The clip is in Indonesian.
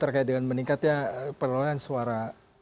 terkait dengan meningkatnya perlawanan suara